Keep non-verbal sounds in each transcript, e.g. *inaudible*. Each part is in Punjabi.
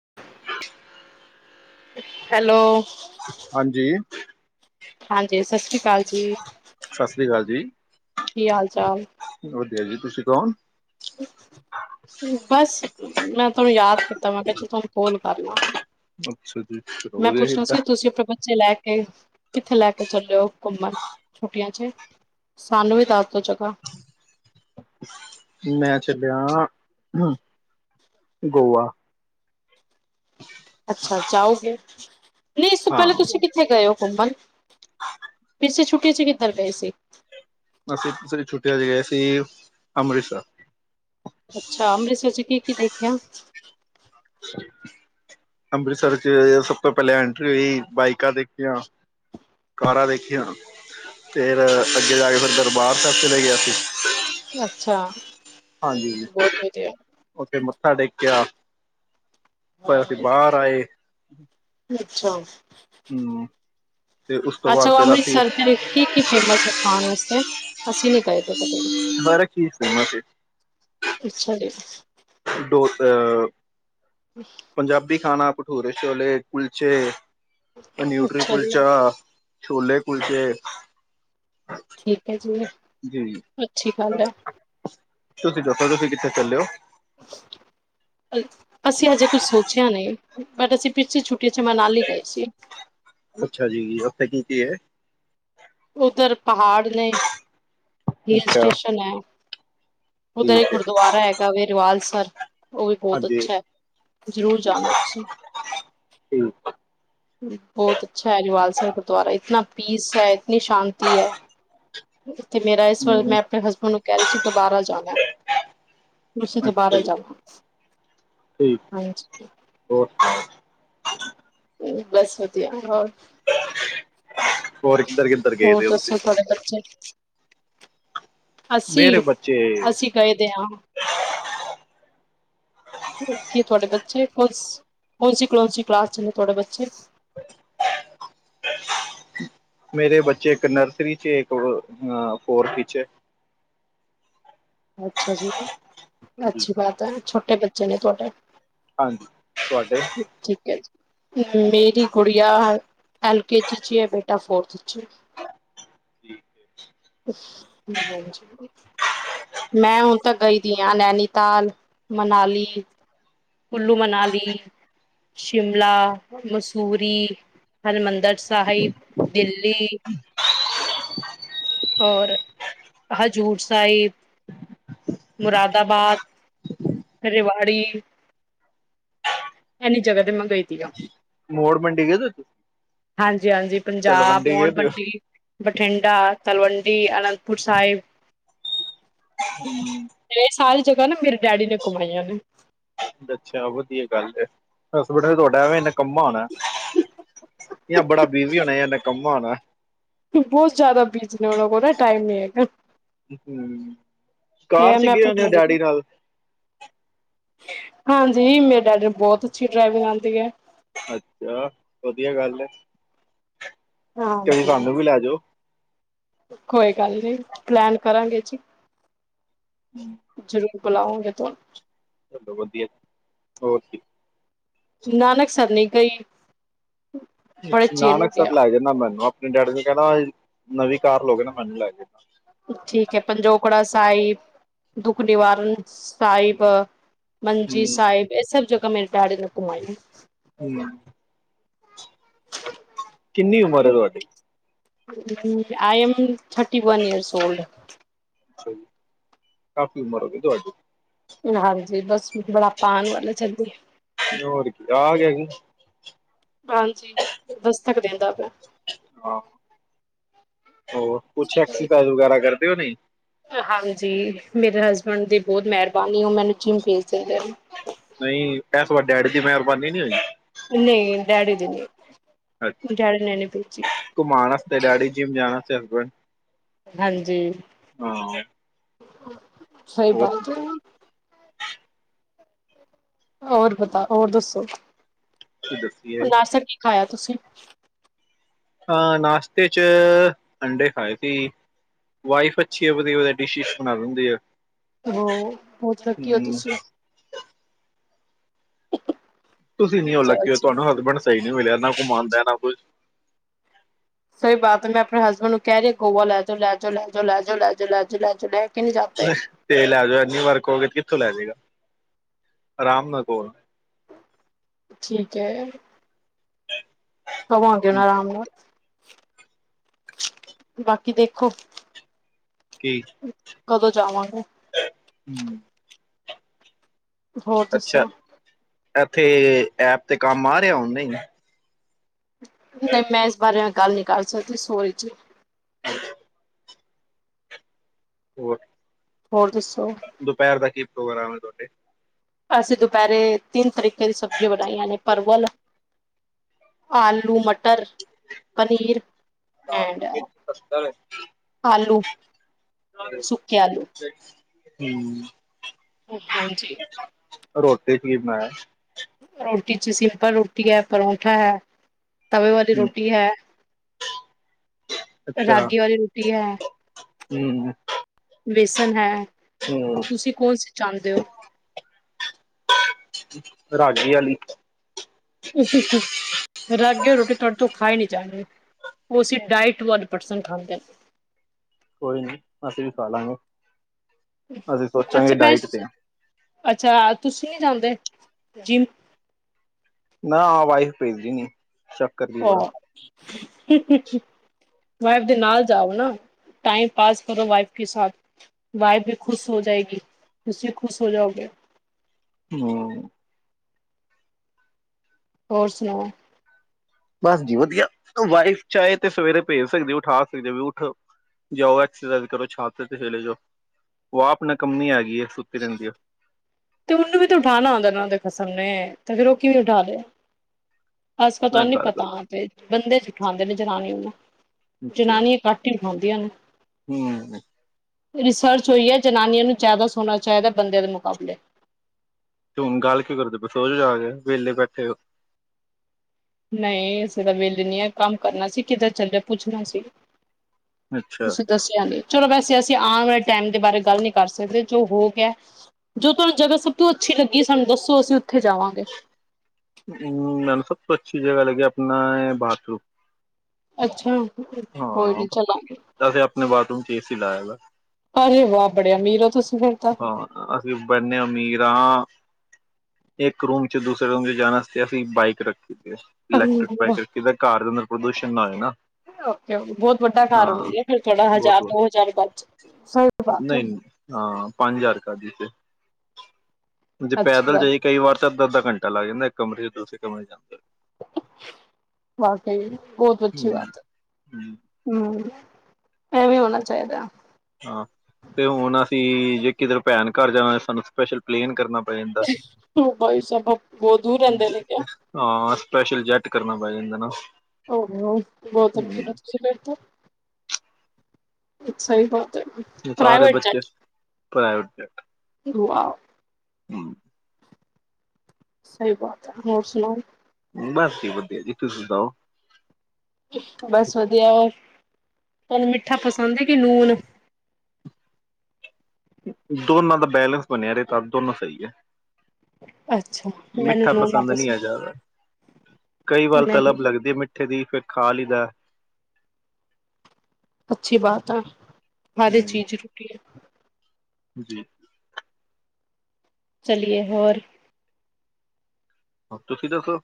*unintelligible* ਹੈਲੋ ਹਾਂਜੀ ਹਾਂਜੀ ਸਤਿ ਸ੍ਰੀ ਅਕਾਲ ਜੀ ਸਤਿ ਸ੍ਰੀ ਅਕਾਲ ਜੀ। ਕੀ ਹਾਲ ਚਾਲ ਵਧੀਆ ਜੀ ਤੁਸੀਂ ਕੌਣ ਬਸ ਮੈਂ ਤੁਆਨੂੰ ਯਾਦ ਕੀਤਾ ਮੈਂ ਕਿਆ ਚਲ ਤੁਆਨੂੰ ਫੋਨ ਕਰ ਲਾ। ਅੱਛਾ ਜੀ। ਚਲੋ ਮੈਂ ਵਧੀਆ ਪੁੱਛਣਾ ਕੀਤਾ। ਸੀ ਤੁਸੀ ਆਪਣੇ ਬੱਚੇ ਲੈ ਕੇ, ਕਿੱਥੇ ਲੈ ਕੇ ਚੱਲੇ ਔ ਘੁੰਮਣ ਛੁੱਟੀਆਂ ਚ, ਸਾਨੂੰ ਵੀ ਦੱਸ ਦੋ ਜਗ੍ਹਾ। ਮੈਂ ਚੱਲਿਆਂ ਗੋਆ। ਹਾਂ, ਚਾਔਗੇ ਨਈ ਇਸ ਤੋਂ ਹਾਂ ਪੈਲਾਂ ਤੁਸੀ ਕਿੱਥੇ ਗਏ ਔ? ਘੁੰਮਣ, ਪਿਛਲੀ ਛੁੱਟੀਆਂ ਚ ਕਿੱਧਰ ਗਏ ਸੀ? ਅਸੀ ਪਿਛਲੀ ਛੁੱਟੀਆਂ ਚ ਗਏ ਸੀ ਅੰਮ੍ਰਿਤਸਰ ਅੱਛਾ, ਅੰਮ੍ਰਿਤਸਰ ਚ ਕੀ ਕੀ ਦੇਖਿਆ? ਅੰਮ੍ਰਿਤਸਰ ਚ ਸਭ ਤੋਂ ਪੈਲੇ ਐਂਟਰੀ ਹੋਈ, ਬਾਈਕਾਂ ਦੇਖੀਆਂ, ਕਾਰਾਂ ਦੇਖੀਆਂ, ਫਿਰ ਅੱਗੇ ਜਾ ਕੇ ਫਿਰ ਦਰਬਾਰ ਸੈਬ ਚਲੇ ਗਿਆ ਸੀ। ਅੱਛਾ। ਹਾਂਜੀ, ਬਹੁਤ ਵਧੀਆ ਉੱਥੇ ਮ ਸਾਡੇ ਕਿਆ ਅੱਛਾ, ਹੂੰ। ਤੇ ਉਸ ਤੋਂ ਅੱਛਾ ਬਾਅਦ ਔ ਫਿਰ ਅਸੀਂ, ਅੰਮ੍ਰਿਤਸਰ ਤੇ ਕੀ-ਕੀ ਫੇਮਸ ਏ ਖਾਣ ਵਾਸਤੇ? ਅਸੀਂ ਨਈ ਗਏ ਦੇ। *unintelligible* ਬਰਕ ਚੀਜ਼ ਫੇਮਸ ਏ। ਅੱਛਾ ਜੀ। ਡੋਸਾ ਪੰਜਾਬੀ ਖਾਣਾ ਭਠੂਰੇ-ਛੋਲੇ, ਕੁਲਚੇ ਅ ਨਿਊਟਰੀ ਅੱਛਾ ਜੀ ਕੁਲਚਾ ਛੋਲੇ ਕੁਲਚੇ ਠੀਕ ਐ ਜੀ ਅ ਜੀ। ਤੁਸੀ ਦੱਸੋ ਤੁਸੀ ਕਿੱਥੇ ਚੱਲੇ ਔ? ਅਛ ਅਸੀ ਹਜੇ ਕੁਛ ਸੋਚਿਆ ਨਈ। ਬਟ ਅਸੀ ਪਿੱਛੇ ਛੁੱ ਟੀ ਚ ਮਨਾਲੀ ਗਏ ਸੀ। ਅੱਛਾ ਜੀ ਉੱਥੇ ਕੀ ਕੀ ਏ? ਉੱਧਰ ਪਹਾੜ ਨੇ, ਹਿਲ ਅੱਛਾ ਸਟੇਸ਼ਨ ਹੈ। ਠੀਕ ਉਧਰ ਇੱਕ ਹੈ ਗੁਰਦੁਆਰਾ ਹੈਗਾ ਵੇ ਰਵਾਲਸਰ ਔ ਵੀ ਬਹੋਤ ਹਾਂਜੀ ਅੱਛਾ ਐ। ਜ਼ਰੂਰ ਜਾਣਾ ਤੁਸੀ। ਠੀਕ ਬਹੁਤ ਅੱਛਾ ਹੈ ਜਵਾਲਸਰ ਗੁਰਦੁਆਰਾ ਇਤਨਾ ਪੀਸ ਹੈ ਨੀ ਸ਼ਾਂਤੀ ਹੈ ਤੇ ਮੇਰਾ ਇਸ ਵਾਰ ਹੂੰ ਮੈਂ ਆਪਣੇ ਹਸਬੈਂਡ ਨੂੰ ਕਹਿ ਰਹੀ ਸੀ ਦੁਬਾਰਾ ਜਾਣਾ ਤੁਸੀਂ ਅੱਛਾ ਦੁਬਾਰਾ ਜੀ ਜਾਣਾ ਹਾਂਜੀ ਹਾਂ ਬਸ ਵਧਿਆ ਹੋ ਹੋਰ ਕਿੱਧਰ ਕਿੱਧਰ ਗਏਦੇ ਹੋ ਤੁਸੀਂ ਬੱਚੇ ਮੇਰੇ ਅਸੀਂ ਬੱਚੇ ਅਸੀਂ ਕਹਿਦੇ ਹਾਂ ਕੀ ਤੁਹਾਡੇ ਬੱਚੇ ਕੌਣਸੀ ਕਲੌਸੀ ਕਲਾਸ ਚ ਨੇ ਤੁਹਾਡੇ ਬੱਚੇ ਮੇਰੇ ਬੱਚੇ ਇੱਕ ਨਰਸਰੀ ਚ ਇੱਕ ਫੋਰਥ ਵਿੱਚ ਅੱਛਾ ਜੀ ਅੱਛੀ ਬਾਤ ਹੈ ਬੱਚੇ ਨੇ ਤੁਹਾਡੇ ਹਾਂਜੀ ਤੁਹਾਡੇ ਠੀਕ ਹੈ ਮੇਰੀ ਗੁੜੀਆ ਐਲਕੇ ਜਜੀ 'ਚ ਹੈ ਬੇਟਾ ਫੋਰਥ 'ਚ ਠੀਕ ਮੈਂ ਹੁਣ ਤ ਗਈ ਦੀ ਹਾਂ ਨੈਨੀਤਾਲ ਮਨਾਲੀ ਕੁੱਲੂ ਮਨਾਲੀ ਸ਼ਿਮਲਾ ਮਸੂਰੀ ਹਰਿਮੰਦਰ ਸਾਹਿਬ ਦਿੱਲੀ ਹਜ਼ੂਰ ਸਾਹਿਬ ਮੁਰਾਦਾਬਾਦ ਰਿਵਾ ਆੜੀ ਇਨੀ ਜਗ੍ਹਾ ਤੇ ਮੈ ਗਈ ਦਿਆ। ਮੋੜ ਮੰਡੀ ਗਏ ਤੁਸੀਂ? ਹਾਂਜੀ ਹਾਂਜੀ ਪੰਜਾਬ ਤਲਵੰਡੀ ਗਏ ਦੇ ਆਣਬਡੀ ਬਠਿੰਡਾ ਤਲਵੰਡੀ ਅਨੰਦਪੁਰ ਸਾਹਿਬ। ਹਮ। ਇਹ ਸਾਰੀ ਜਗ੍ਹਾ ਨਾ ਮੇਰੇ ਡੈਡੀ ਨੇ ਘੁਮਾਈਆਂ ਨੇ। ਅੱਛਾ ਵਧੀਆ ਗੱਲ ਹਸਬੈਂਡ ਤੁਹਾਡਾ ਐਵੇ ਨਿਕੰਮਾ ਹੋਣਾ ਯ ਬੜਾ ਬਿਜੀ ਹੋਣਾ ਨਿਕੰਮਾ ਹੋਣਾ। ਬਹੁਤ ਜ਼ਿਆਦਾ ਬੀਜ ਨੇ ਉਹ ਕੋ ਨਾ ਟਾਈਮ ਨਹੀਂ ਹੈਗਾ। ਹਮ ਕਾਰ ਤੇ ਮੈਂ ਚਗੇ ਆਪਣੇ ਹੋਣੇਔ ਨੇ ਡੈਡੀ ਨਾਲ। ਹਾਂਜੀ ਮੇਰੇ ਡੈਡੀ ਨੂੰ ਬਹੁਤ ਅੱਛੀ ਡਰਾਈਵਿੰਗ ਆਉਂਦੀ ਹੈ। ਅੱਛਾ ਵਧੀਆ ਗੱਲ ਹੈ। ਕਦੀ ਹਾਂਜੀ ਸਾਨੂੰ ਵੀ ਲੈਜਓ। ਕੋਈ ਗੱਲ ਨੀ ਪਲੈਨ ਕਰਾਂਗੇ ਜੀ। ਹਮ। ਬੁਲਾਓਗੇ ਤੂੰ। ਚਲੋ ਵਧੀਆ ਹੋਰ ਠੀਕ। ਨਾਨਕ ਸਰਨੀ ਕਈ ਨਾਨਕਸਰ ਲੈ ਜਾਂਣਾਂ ਮੈਨੂੰ ਆਪ ਆਪਣੇ ਡੈਡੀ ਨੂੰ ਕਹਿੰਦਾ ਨਵੀਂ ਕਾਰ ਲੋਗੇ ਨਾ ਮੈਨੂੰ ਲੈ ਕੇ ਸਾਹਿਬ ਦੁੱਖ ਨਿਵਾਰਨ ਸਾਹਿਬ। ਮੰਜੀ ਹੂੰ ਸਾਹਿਬ ਇਹ ਸਭ ਜਗਾ *unintelligible* ਹਮ। *inaudible* ਕਿੰਨੀ ਉਮਰ ਹੈ ਤੁਹਾਡੀ। I am thirty one years old. ਅੱਛਾ ਜੀ ਕਾਫ਼ੀ ਉਮਰ ਹੋ ਗਈ ਤੁਹਾਡੀੇ। ਹਾਂਜੀ ਬਸ। ਬੁਢਾਪਾ ਆਣ ਵਾਲਾ ਜਲਦੀ ਹੋਰ ਕੀ ਆ ਗਿਆ ਕਿ ਹਾਂਜੀ ਦਸ ਤੱਕ ਦਿੰਦਾ ਪਿਆ। ਆਹ। ਹੋ ਕੁਛ ਐਕਸਰਸਾਈਜ਼ ਵਗੈਰਾ ਕਰਦੇ ਹੋ ਨੀ। ਜੀ ਮੇਰੇ ਹਸਬੈਂਡ ਦੀ ਬੋਹੁਤ ਮਿਹਰਬਾਨੀ ਉਹ ਮੈਨੂੰ ਜਿਮ ਭੇਜ ਦਿੰਦੇ। ਨਹੀਂ ਇਹ ਤੁਹਾਡ ਡੈਡੀ ਦੀ ਮਿਹਰਬਾਨੀ ਨਹੀਂ ਹੋਈ। ਨਹੀਂ ਡੈਡੀ ਦੀ ਨੀ। ਅੱਛਾ ਘੁੰਮਾਣ ਵਾਸਤੇ ਡੈਡੀ ਜੀ ਨੂੰ ਜਾਣ ਟਰਬਨ ਹਾਂਜੀ ਹਾਂ *unintelligible* ਸਹੀ ਹੋਰ ਬਾਤ ਸੁਣਾਓ ਹੈ ਹੋਰ ਬਤਾ ਹੋਰ ਦੱਸੋ ਤੁਸੀਂ ਦੱਸੀਏ ਉਨਾਸਕ ਦਿਖਾਇਆ ਤੁਸੀਂ ਹਾਂ ਨਾਸ਼ਤੇ ਚ ਅੰਡੇ ਖਾਏ ਸੀ ਵਾਈਫ ਅੱਛੀ ਹੈ ਵਧੀਆ ਵਧੀਆ ਡਿਸ਼ਿਸ਼ ਬਣਾ ਦਿੰਦੀ ਆ ਹ ਬਹੁਤ ਲਕੀ ਹੋ ਤੁਸੀਂ ਤੁਸੀਂ ਨੀ ਉਹ ਲੱਕੀ ਹੋ ਅੱਛਾ-ਅੱਛਾ। ਤੁਹਾਨੂੰ ਹਸਬੈਂਡ ਸਹੀ ਨੀ ਮਿਲਿਆ ਨਾ ਘੁਮਾਓਨਦਾ ਹੈ ਨਾ ਕੁਛ ਸਹੀ ਬਾਤ ਹੈ ਮੈਂ ਆਪਣੇ ਹਸਬੈਂਡ ਨੂੰ ਕਹਿ ਰਹੀ ਗੋਵਾ ਲੈ ਜਾ ਲੈ ਜਾ ਲੈ ਜਾ ਲੈ ਜਾ ਲੈ ਜਾ ਲੈ ਜਾ ਲੈ ਜਾ ਲੈ ਤੇ ਲੈ ਜਾ ਇੰਨੀ ਵਾਰ ਕਹੋਗੇ ਤੇ ਕਿੱਥੋਂ ਲੈ ਜੇਗਾ ਅਰਾਮ ਨਾਲ ਬੋਲ ਠੀਕ ਹੈ ਘੁਮਾਨਗੇ ਨਾ ਆਰਾਮ ਨਾਲ ਬਾਕੀ ਦੇਖੋ ਕੀ। ਕਦੋਂ ਜਾਵਾਂਗੇ। *unintelligible* ਹੋਰ ਦੱਸੋ। ਏਥੇ ਐਪ ਤੇ ਕੰਮ ਆ ਰਿਹਾ ਹੁਨ, ਨਈ। ਨਈ ਮੈਂ ਇਸ ਬਾਰੇ ਗੱਲ ਨੀ ਕਰ ਸਕਦੀ ਸੋਰੀ ਜੀ। *unintelligible* ਹੋਰ। ਹੋਰ ਦੱਸੋ ਦੁਪਹਿਰ ਦਾ ਕੀ ਪ੍ਰੋਗਰਾਮ ਏ ਤੁਹਾਡਾ। ਅਸੀਂ ਦੁਪਹਿਰੇ ਤਿੰਨ ਤਰੀਕੇ ਦੀ ਸਬਜ਼ੀਆਂ ਬਨਾਈਆਂ ਨੇ ਪਰਵਲ ਆਲੂ ਮਟਰ। ਪਨੀਰ ਐਂਡ ਆਲੂ ਸੁੱਕੇ ਆਲੂ। ਹੁੰ। *unintelligible* ਹਾਂਜੀ। ਤੁਸੀ ਕੀ ਬਨਾਇਆ ਏ। ਰੋਟੀ ਚ ਸਿੰਪਲ ਰੋਟੀ ਏ, ਪਰੌਂਠਾ ਹੈ। ਤਵੇ ਵਾਲੀ ਹਮ ਰੋਟੀ ਹੈ ਰਾਗੀ ਵਾਲੀ ਰੋਟੀ ਹੈ। ਹੂੰ, ਹੂੰ। ਬੇਸਨ ਹੈ। ਹੂੰ ਤੁਸੀਂ ਕੌਣ ਸੀ ਚਾਹੁੰਦੇ ਹੋ? ਰਾਗੀ ਆਲੀ। ਰਾਗੀ ਰੋਟੀ ਤੁਹਾਡੇ ਤੋਂ ਖਾਈ ਨੀ ਜਾਨੀ ਉਹ ਅਸੀ ਡਾਇਟ ਵਾਲੇ ਪਰਸਨ ਖਾਂਦੇ ਆ। ਕੋਈ ਨੀ ਅਸੀਂ ਵੀ ਖਾ ਲਾਂਗੇ ਅਸੀਂ ਸੋਚਾਂਗੇ ਅੱਛਾ ਮੈਂ ਡਾਇਟ ਤੇ ਆ। ਅੱਛਾ ਤੁਸੀਂ ਨੀ ਜਾਂਦੇ ਜਿਮ? ਨਾ ਵਾਈਫ ਭੇਜਦੀ ਨੀ। ਸ਼ੱਕ ਕਰਦੀ ਬੜਾ। ਉਹ ਵਾਈਫ ਦੇ ਨਾਲ ਜਾਵੋ ਨਾ ਟਾਈਮ ਪਾਸ ਕਰੋ ਵਾਈਫ ਕੇ ਸਾਥ ਵਾਈਫ ਵੀ ਖੁਸ ਹੋ ਜਾਏਗੀ ਤੁਸੀਂ ਖੁਸ ਹੋ ਜਾਓਗੇ। ਹੂੰ ਹੋਰ ਸੁਣਾਓ? ਬਸ ਜੀ ਵਧੀਆ ਵਾਈਫ਼ ਚਾਹੇ ਤੇ ਸਵੇਰੇ ਭੇਜ ਸਕਦੀ ਉਠਾ ਸਕਦੀ। ਵੀ ਉਠ ਜਾਓ ਐਕਸਸਾਇਜ ਕਰੋ ਛਾਤ ਤੇ ਚਲੇ ਜਾਓ। ਓ ਆਪ ਨਕੰਮੀ ਹੇਗੀ ਏ ਤੇ ਓਨੂੰ ਵੀ ਤੇ ਉਠਾਨਾ *unintelligible* ਨਾ ਓਦੇ ਖਸਮ ਨੇ। ਤੇ ਫੇਰ ਉਹ ਕਿਵੇਂ ਉਠਾ ਦੇ ਆ? ਅਜਕਲ ਮੈਂ ਤੁਹਾਨੂੰ ਨੀ ਗੱਲ ਪਤਾ ਗੱਲ ਤੇ ਬੰਦੇ *unintelligible* ਉਠਾਂਦੇ ਨੇ ਜਨਾਨੀ ਨੂੰ ਨਾ। ਅੱਛਾ ਜਨਾਨੀ ਕੱਟ ਈ ਉਠਾਂਦੀਆਂ ਨੇ ਹਮ ਰਿਸਰਚ ਹੋਈਏ ਜਨਾਨੀਆਂ ਨੂੰ ਜਾਦਾ ਸੋਣਾ ਚਾਹੀਦਾ ਬੰਦੇ ਦੇ ਮੁਕਾਬਲੇ। ਤੇ ਹੁਣ ਗੱਲ ਕੀ ਕਰਦੇ ਪਏ ਸੋ ਜੋ ਜਾ ਕੇ ਵਿਹਲੇ ਬੈਠੇ ਹੋ ਨਹੀਂ ਇਸੇ ਤਾਂ ਵੇਲੇ ਨਹੀਂ ਹੈ ਕੰਮ ਕਰਨਾ ਸੀ ਕਿਤੇ ਚੱਲਿਆ ਪੁੱਛਣਾ ਅੱਛਾ ਤੁਸੀਂ ਦੱਸਿਆ ਨੀ ਚਲੋ ਵੈਸੇ ਅਸੀਂ ਆਉਣ ਵਾਲੇ ਟਾਈਮ ਦੇ ਬਾਰੇ ਗੱਲ ਨੀ ਕਰ ਸਕਦੇ ਜੋ ਹੋ ਗਿਆ ਜੋ ਤੁਹਾਨੂੰ ਜਗਾ ਸਭ ਤੋਂ ਅੱਛੀ ਲੱਗੀ ਸਾਨੂੰ ਦੱਸੋ ਅਸੀਂ ਉੱਥੇ ਜਾਵਾਂਗੇ। ਹਮ ਮੈਂ ਨਾ ਸਭ ਕੁੱਛ ਕਿਦਾ ਦਾ ਲੱਗਿਆ ਆਪਣਾ ਇਹ ਬਾਥਰੂਮ ਅੱਛਾ ਕੋਈ ਹਾਂ ਨੀ ਚਲਾਂਗੇ। ਅਸੀ ਆਪਣੇ ਬਾਥਰੂਮ ਏਸੀ ਲਗਾਇਆ ਅਰੇ ਵਾਹ ਬੜੇ ਅਮੀਰ ਹੋ ਤੁਸੀਂ ਫਿਰ ਤਾਂ। ਹਾਂ ਅਸੀਂ ਬੰਨੇ ਅਮੀਰ ਹਾ ਇੱਕ ਰੂਮ ਚ ਦੂਸਰੇ ਰੂਮ ਚ ਜਾਣ ਵਾਸਤੇ ਅਸੀਂ ਇੱਕ ਬਾਈਕ ਰੱਖੀ ਹੈ ਓ ਇਲੈਕਟ੍ਰਿਕ ਬਾਈਕ ਰੱਖੀ ਦਾ ਘਰ ਦੇ ਅੰਦਰ ਪ੍ਰਦੂਸ਼ਣ ਨਾ ਹੋਏ ਨਾ ਬਹੁਤ ਵੱਡਾ ਕਾਰਨ। ਹਾਂ ਹੁੰਦੀ ਹੈ ਫਿਰ ਥੋੜਾ ਹਜ਼ਾਰ ਬਹੁਤ ਵਧੀਆ ਦੋ ਹਜ਼ਾਰ ਬਚ ਸਹੀ। ਬਾਤ ਹੈ ਹਜ਼ਾਰ ਕਰਦੀ ਤੇ ਜੇ ਅੱਛੀ ਪੈਦਲ ਗੱਲ ਜਾਈ ਕਈ ਵਾਰ ਤਾਂਦ ਘੰਟਾ ਲੱਗ ਜਾਂਦਾ ਇੱਕ ਕਮਰੇ ਚ ਦੂਸਰੇ ਕਮਰੇ ਚ ਜਾਣ ਦਾ ਬਾਕਈ ਬਹੁਤ ਅੱਛੀ ਹੂੰ ਬਾਤ ਹੂੰ ਹਮ ਇਹ ਵੀ ਹੋਣਾ ਚਾਹੀਦਾ ਹਾਂ ਤੇ ਹੁਣ ਅਸੀਂ ਜੇ ਕਿਧਰ ਭੈਣ ਘਰ ਜਾਣਾ ਸਾਨੂੰ ਸਪੈਸ਼ਲ ਪਲੇਨ ਕਰਨਾ ਪੈ ਜਾਂਦਾ ਬਾਈ ਸਾਡੇ ਬਹੁਤ ਦੂਰ ਰਹਿੰਦੇ ਜ- ਨੇ ਕਿਆ ਹਾਂ ਸਪੈਸ਼ਲ ਜੈਟ ਕਰਨਾ ਪੈ ਜਾਂਦਾ ਨਾ ਓਹੋ ਬਹੁਤ ਅੱਛੀ ਹੂੰ, ਲੜਕੀ ਹੈ ਫਿਰ ਤੋਂ ਇੱਕ ਸਾਹਿਬਾ ਮੈਂ ਸਾਰੇ ਬੱਚੇ ਪੜਾਏ ਉਥੇ ਵਾਓ। *unintelligible* ਸਹੀ ਬਾਤ ਹੈ ਹੋਰ ਸੁਣਾਓ ਬੱਸ ਜੀ ਵਧੀਆ ਜੀ ਤੁਸੀਂ ਸੁਣਾਓ ਬਸ ਵਧੀਆ ਹੋਰ ਤੈਨੂੰ ਮਿੱਠਾ ਪਸੰਦ ਹੈ ਕਿ ਲੂਣ ਦੋਨਾਂ ਦਾ ਬੈਲੇੈਂਸ ਬਣਿਆ ਰਹੇ ਤਦ ਦੋਨੋਂ ਸਹੀ ਹੈ *unintelligible* ਮੈਨੂੰ ਮਿੱਠਾ ਨੂਨ ਨਾ ਪਸੰਦ ਨਹੀਂ ਆ ਜਾਿਆਦਾ ਕਈ ਵਾਰ ਮੈਨੂੰ ਤਲਬ ਲੱਗਦੀ ਹੈ ਮਿੱਠ ਉਥੇ ਦੀ ਫਿਰ ਖਾ ਲਈਦਾ ਅੱਛੀ ਬਾਤ ਆ ਹਰ ਹੂੰ ਚੀਜ਼ ਰੁਕੀ ਹੈ ਜੀ ਚਲੀਏ ਹੋਰ ਤੁਸੀਂ ਦੱਸੋ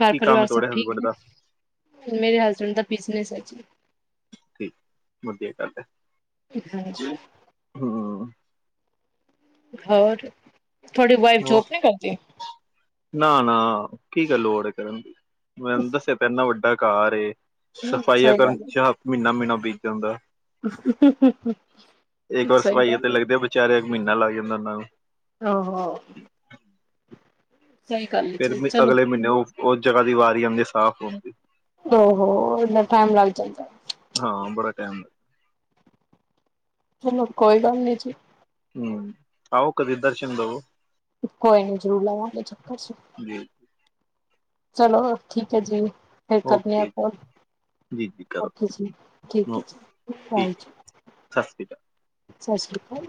ਘਰ ਕੀ ਕੰਮ ਪਰਿਵਾਰ ਸਭ ਥੋੜੇ ਠੀਕ ਹਸਬੈਂਡ ਹੈ? ਦਾ ਮੇਰੇ ਹਸਬੈਂਡ ਦਾ ਬਿਜਨੇਸ ਹੈ। ਜੀ ਠੀਕ, ਵਧੀਆ ਗੱਲ ਹੈ। ਹਾਂਜੀ। ਹਮ ਹੋਰ। ਤੁਹਾਡੀ ਵਾਈਫ ਉਹ ਜੋਬ ਵੀ ਕਰਦੀ ਐ। ਨਾ ਨਾ ਕਿ ਗੱਲ ਲੋੜ ਐ ਕਰਨ ਦੀ। ਮੈਂ ਉਹਨੂੰ ਦੱਸਿਆ ਤੇਰੇ ਨਾਲ ਵੱਡਾ ਏ ਕਾਰ ਏ। ਹੂੰ, ਸਫਾਈਆਂ ਸਹੀ ਕਰਨ ਚ ਮਹੀਨਾ ਮਹੀਨਾ ਬੀਤ ਜਾਂਦਾ। ਹੂ ਹੂ ਹੂ ਇੱਕ ਵਾਰ ਸਹੀ ਸਫਾਈਆਂ ਤੇ ਗੱਲ ਐ। ਲੱਗਦੇ ਵਿਚਾਰੇ ਇੱਕ ਮਹੀਨਾ ਲੱਗ ਜਾਂਦਾ ਉਹਨਾਂ ਨੂੰ। ਆਹੋ ਆ ਫੇਰ ਵੀ ਅਗਲੇ ਮਹੀਨੇ ਉਹ ਉਹ ਜਗ੍ਹਾ ਦੀ ਵਾਰੀ ਆਉਂਦੀ ਸਾਫ਼ ਹੋਣਦੀ ਉਹ ਹੋ ਏਨਾ ਟਾਈਮ ਲੱਗ ਜਾਂਦਾ। *inaudible* ਚਲੋ ਕੋਈ ਗੱਲ ਨੀ ਜੀ। ਹਮਮ ਆਓ ਕਦੇ ਦਰਸ਼ਨ ਦਊ। ਕੋਈ ਨੀ ਜਰੂਰ ਲਾਵਾਂਗੇ ਚੱਕਰ ਜੀ। ਚਲੋ ਠੀਕ ਹੈ ਜੀ। ਫੇਰ ਕਰਨੀ ਆ ਓਕੇ ਜੀ ਕੋਲ। ਜੀ ਜੀ ਕਰੋ ਓਕੇ ਜੀ। ਠੀਕ ਏ ਜੀ ਗੁਡ ਓਕੇ, ਠੀਕ ਬਾਈ ਜੀ। ਸਤਿ ਸ਼੍ਰੀ ਅਕਾਲ ਸਤਿ ਸ਼੍ਰੀ ਅਕਾਲ।